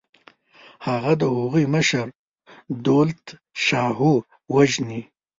هغه د هغوی مشر دولتشاهو وژني.